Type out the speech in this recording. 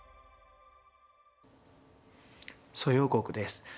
蘇耀国です。